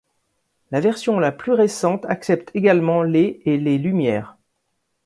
La version la plus récente accepte également les et les lumières.